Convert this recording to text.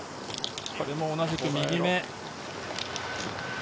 これも同じく右め。